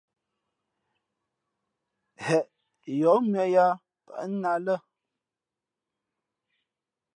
Heʼ yǒh mʉ̄ᾱ yāā pάʼ nā lά.